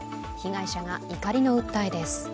被害者が怒りの訴えです。